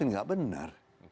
ini gak benar